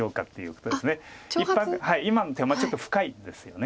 今の手はちょっと深いんですよね。